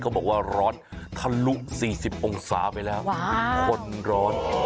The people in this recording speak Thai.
บอกว่าร้อนทะลุ๔๐องศาไปแล้วคือคนร้อน